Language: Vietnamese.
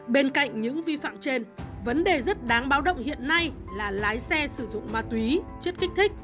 bên cạnh những vi phạm trên vấn đề rất đáng báo động hiện nay là lái xe sử dụng ma túy chất kích thích